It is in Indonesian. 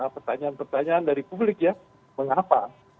pertanyaan pertanyaan dari publik ya mengapa